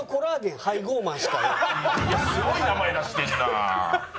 いやすごい名前出してんなあ！